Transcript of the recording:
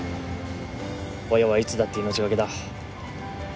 親はいつだって命懸けだ。